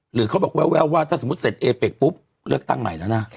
หรือเขาบอกแววว่าถ้าสมมุติเสร็จเอเป็กปุ๊บเลือกตั้งใหม่แล้วนะ